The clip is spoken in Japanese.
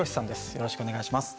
よろしくお願いします。